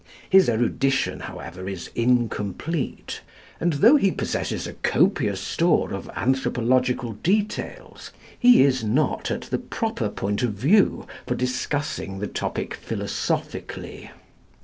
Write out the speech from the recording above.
His erudition, however, is incomplete; and though he possesses a copious store of anthropological details, he is not at the proper point of view for discussing the topic philosophically.